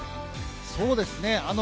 そうですね。